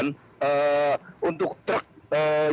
untuk truk yang masih berada di lintas